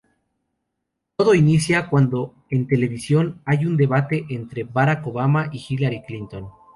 Todo inicia cuando en televisión hay un debate entre Barack Obama y Hillary Clinton.